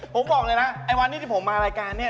ผมบอกเลยนะไอ้วันนี้ที่ผมมารายการเนี่ย